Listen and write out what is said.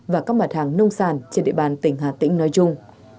và các mặt hàng nông sản trên địa bàn tỉnh hà tĩnh nói chung